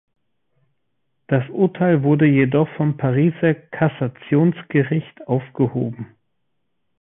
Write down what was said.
Das Urteil wurde jedoch vom Pariser Kassationsgericht aufgehoben.